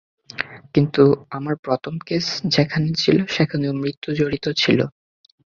কিন্তু আমার প্রথম কেস যেখানে ছিল সেখানেও মৃত্যু জড়িত ছিল।